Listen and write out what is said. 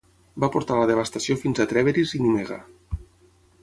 Va portar la devastació fins a Trèveris i Nimega.